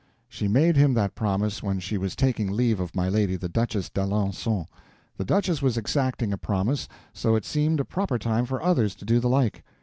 She made him that promise when she was taking leave of my lady the Duchess d'Alencon. The duchess was exacting a promise, so it seemed a proper time for others to do the like.